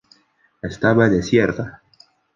Estaba desierta.